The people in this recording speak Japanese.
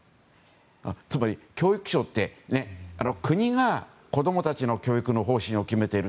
つまり、教育省って国が子供たちの教育の方針を決めている。